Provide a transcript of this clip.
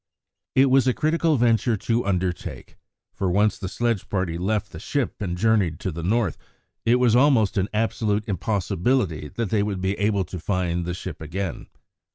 It was a critical venture to undertake, for once the sledge party left the ship and journeyed to the North, it was almost an absolute impossibility that they would be able to find the ship again.